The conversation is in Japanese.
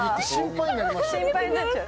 心配になっちゃう。